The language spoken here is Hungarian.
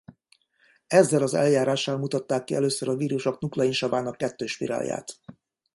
Ezzel az eljárással mutatták ki először a vírusok nukleinsavának kettős spirálját.